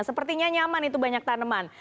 sepertinya nyaman itu banyak tanaman